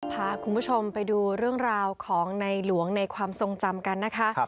พาคุณผู้ชมไปดูเรื่องราวของในหลวงในความทรงจำกันนะคะ